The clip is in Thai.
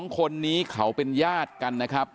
๒คนนี้เขาเป็นญาติกันนะครับ